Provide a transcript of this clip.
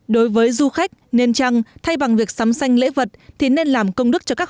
đối với du khách nên chăng thay bằng việc sắm xanh lễ vật thì nên làm công đức cho các